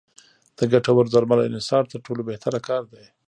د ګټورو درملو انحصار تر ټولو بهتره کار دی.